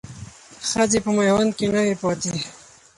ښځې په میوند کې نه وې پاتې.